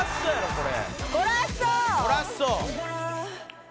これ。